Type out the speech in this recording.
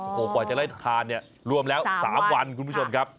โอ้โฮปล่อยจากได้ทานรวมแล้ว๓วันคุณผู้ชมครับ